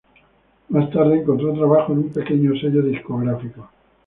Más tarde encontró trabajo en un pequeño sello discográfico.